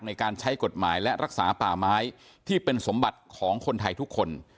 ในการใช้กฎหมายและรักษาป่าไม้ที่เป็นสมบัติของคนไทยทุกคน